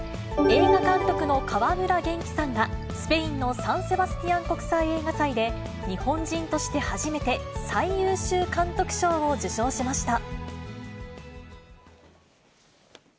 映画監督の川村元気さんが、スペインのサン・セバスティアン国際映画祭で、日本人として初めて、最優秀監督賞を受賞しました。